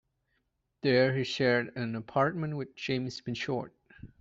There he shared an apartment with James Pinchot.